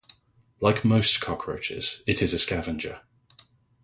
Like most cockroaches, it is a scavenger.